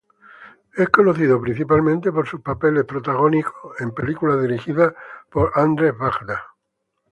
Es conocido principalmente por sus papeles protagónicos en películas dirigidas por Andrzej Wajda.